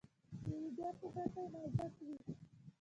د لوبیا پوټکی نازک وي.